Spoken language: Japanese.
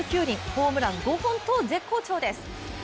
ホームラン５本と絶好調です。